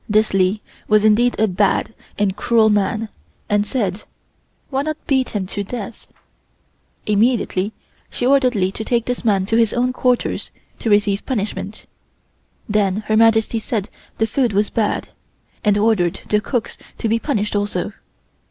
This Li was indeed a bad and cruel man, and said: "Why not beat him to death?" Immediately she ordered Li to take this man to his own quarters to receive punishment. Then Her Majesty said the food was bad, and ordered the cooks to be punished also.